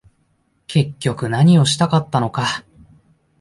結局何をしたかったのか